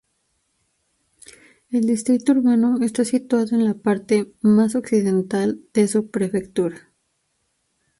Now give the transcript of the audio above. El distrito urbano está situado en la parte más occidental de su prefectura.